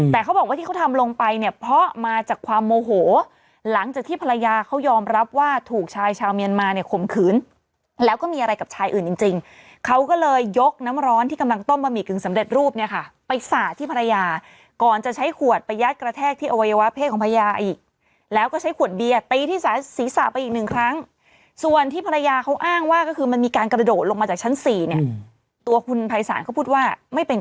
แต่เขาบอกว่าที่เขาทำลงไปเนี้ยเพราะมาจากความโมโหหลังจากที่ภรรยาเขายอมรับว่าถูกชายชาวเมียนมาเนี้ยข่มขืนแล้วก็มีอะไรกับชายอื่นจริงจริงเขาก็เลยยกน้ำร้อนที่กำลังต้มบะหมี่กึ่งสำเร็จรูปเนี้ยค่ะไปสระที่ภรรยาก่อนจะใช้ขวดไปยัดกระแทกที่อวัยวะเพศของภรรยาอีกแล้วก็ใช้ขวดเบี